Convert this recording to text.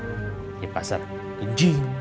ini pasar kejin